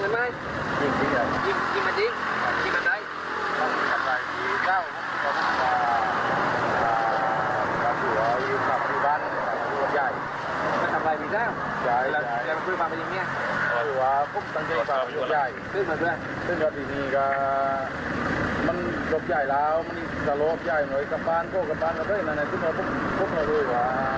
และก็ต้องสำคัญการบอกใหญ่